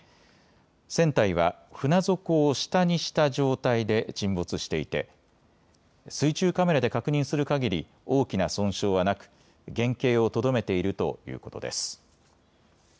船体は船底を下にした状態で沈没していて水中カメラで確認するかぎり大きな損傷はなく原形をとどめているということです。